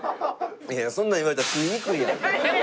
いやそんなん言われたら食いにくいやん。